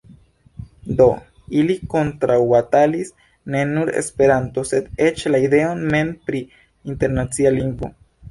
Do, ili kontraŭbatalis ne nur Esperanton, sed eĉ la ideon mem pri internacia lingvo.